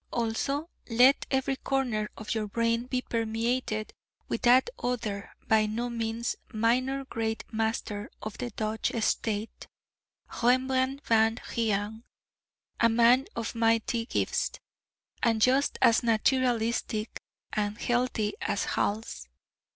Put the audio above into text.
Also let every corner of your brain be permeated with that other by no means minor great master of the Dutch state, Rembrandt van Ryn, a man of mighty gifts, and just as naturalistic and healthy as Hals.